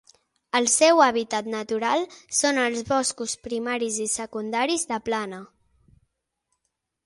El seu hàbitat natural són els boscos primaris i secundaris de plana.